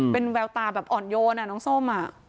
เป็นแววตาแบบอ่อนโยนน้องส้ม